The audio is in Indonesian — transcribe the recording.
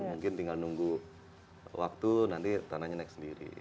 mungkin tinggal nunggu waktu nanti tanahnya naik sendiri